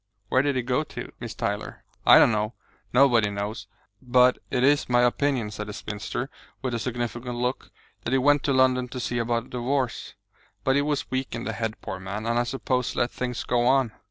"Where did he go to, Miss Tyler?" "I don't know; nobody knows. But it is my opinion," said the spinster, with a significant look, "that he went to London to see about a divorce. But he was weak in the head, poor man, and I suppose let things go on.